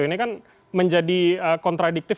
ini kan menjadi kontradiktif